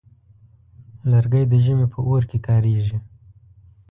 لرګی د ژمي په اور کې کارېږي.